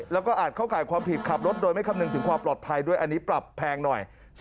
แล้วก็อาจเข้าข่ายความผิดขับรถโดยไม่คำนึงถึงความปลอดภัยด้วยอันนี้ปรับแพงหน่อย